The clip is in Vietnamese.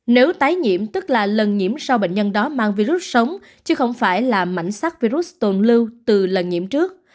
nếu tái nhiễm tức là lần nhiễm sau bệnh nhân đó mang virus sống chứ không phải là mảnh sắc virus tồn lưu từ lần nhiễm trước